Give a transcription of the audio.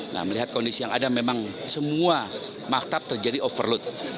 nah melihat kondisi yang ada memang semua maktab terjadi overload